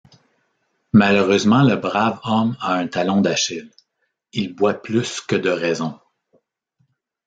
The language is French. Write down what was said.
Malheureusement le brave homme a un talon d'Achille, il boit plus que de raison.